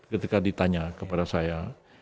ketika ditanya kepada saya